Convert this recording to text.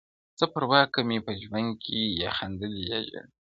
څه پروا که مي په ژوند کي یا خندلي یا ژړلي-